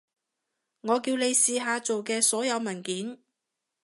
我叫你試下做嘅所有文件